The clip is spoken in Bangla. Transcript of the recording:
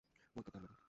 ওইতো তার বাড়ি!